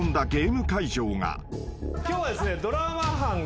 今日はですね。